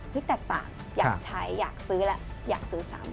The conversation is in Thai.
แตกต่างอยากใช้อยากซื้อแล้วอยากซื้อซ้ำ